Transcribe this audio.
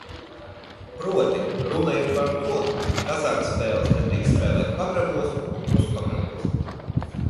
Proti, runa ir par to, ka azartspēles nedrīkst spēlēt pagrabos un puspagrabos.